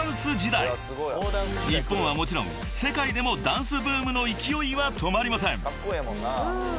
［日本はもちろん世界でもダンスブームの勢いは止まりません］